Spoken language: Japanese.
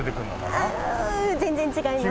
ああ全然違います。